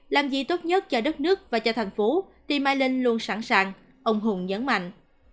làm gì tốt nhất cho đất nước và cho thành phố thì mai linh luôn sẵn sàng ông hùng nhấn mạnh